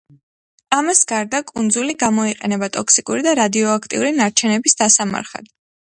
ამას გარდა, კუნძული გამოიყენება ტოქსიკური და რადიოაქტიური ნარჩენების დასამარხად.